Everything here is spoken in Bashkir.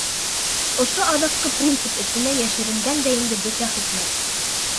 Ошо аҙаҡҡы принцип эсенә йәшеренгән дә инде бөтә хикмәт.